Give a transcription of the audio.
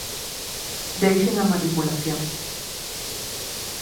Deixen a manipulación.